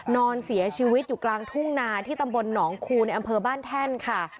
นอนเสียชีวิตอยู่กลางทุ่งนาที่ตำบลหนองคูในอำเภอบ้านแท่นค่ะ